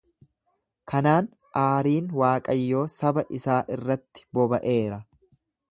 Kanaan aariin Waaqayyoo saba isaa irratti boba'eera.